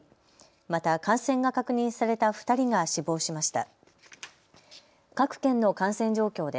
また感染が確認された２人が死亡しました。